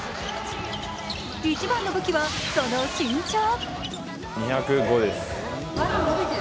一番の武器は、その身長。